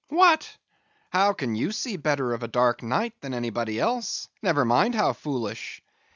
"What! how can you see better of a dark night than anybody else, never mind how foolish?"